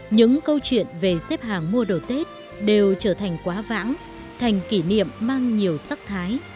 những câu chuyện về xếp hàng mua đồ tết đều trở thành quá vãng thành kỷ niệm mang nhiều sắc thái